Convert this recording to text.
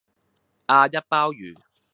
阿一鮑魚